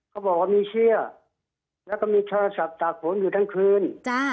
เขาบอกว่ามีเสื้อแล้วก็มีโทรศัพท์ตากฝนอยู่ทั้งคืน